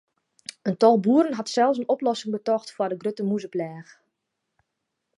In tal boeren hat sels in oplossing betocht foar de grutte mûzepleach.